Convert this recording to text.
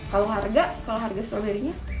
kalau harga stroberinya